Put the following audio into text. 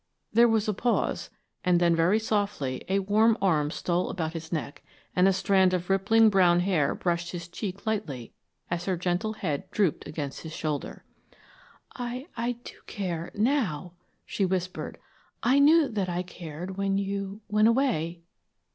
There was a pause and then very softly a warm arm stole about his neck, and a strand of rippling brown hair brushed his cheek lightly as her gentle head drooped against his shoulder. "I I do care now," she whispered. "I knew that I cared when you went away!"